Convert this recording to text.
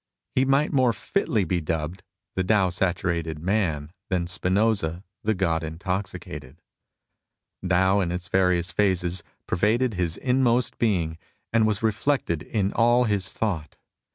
He might more fitly be dubbed '' the Tao saturated man " than Spinoza '' the God intoxicated." Tao in its various phases pervaded his inmost being and was reflected in all his thought.